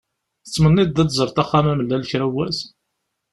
Tettmenniḍ-d ad d-teẓreḍ Axxam-Amellal kra n wass?